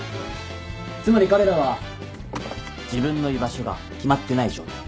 つまり彼らは自分の居場所が決まってない状態。